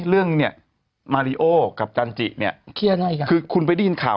เรื่องเนี้ยมาริโอกับจันจิเนี้ยเคลียร์อะไรอีกคือคุณไปได้ยินข่าว